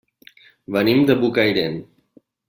Venim de Bocairent.